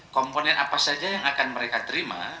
komponen apa saja yang akan mereka terima